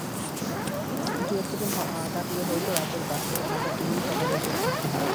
দু-একটা দিন কাটিয়ে হয়তো রাতের বাসে ঢাকা ফিরেই সকালে অফিস ধরতে হয়।